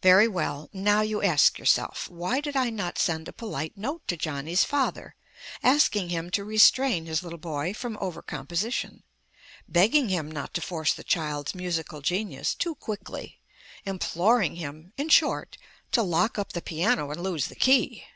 Very well. Now, you ask yourself, why did I not send a polite note to Johnny's father asking him to restrain his little boy from over composition, begging him not to force the child's musical genius too quickly, imploring him (in short) to lock up the piano and lose the key?